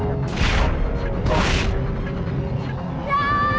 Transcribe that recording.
untuk ku bakal itu